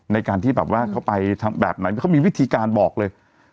ในการที่แบบว่าเขาไปแบบไหนเขามีวิธีการบอกเลย